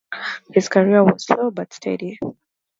His career was slow but steady.